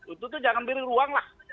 itu tuh jangan beri ruang lah